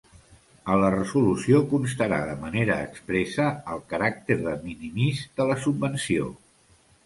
A la resolució constarà de manera expressa el caràcter de minimis de la subvenció.